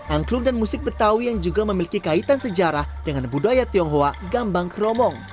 angklung dan musik betawi yang juga memiliki kaitan sejarah dengan budaya tionghoa gambang kromong